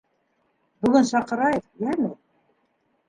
Бөгөн саҡырайыҡ, йәме.